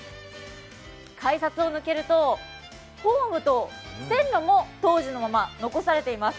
改札を抜けるとホームと線路も当時のまま残されています。